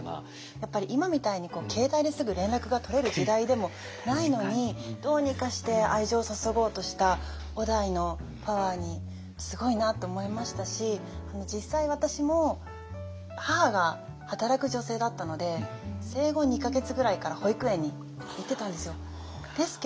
やっぱり今みたいに携帯ですぐ連絡が取れる時代でもないのにどうにかして愛情を注ごうとした於大のパワーにすごいなと思いましたし実際私も母が働く女性だったので生後２か月ぐらいから保育園に行ってたんですよ。